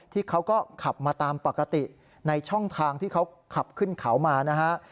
เขาก็ขับมาตามปกติในช่องทางที่เขาขับขึ้นเขามานะฮะ